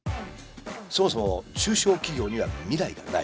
そもそも中小企業には未来がない。